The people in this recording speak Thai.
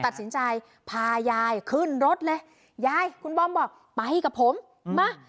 ตัดสินใจพายายขึ้นรถเลยยายคุณบอมบอกไปกับผมมา